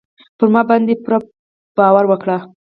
پر ما باندې پوره باور وکړئ.